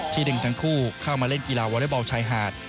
ที่ดึงทั้งคู่เข้ามาเล่นกีฬาวรรดิบาลชายหาด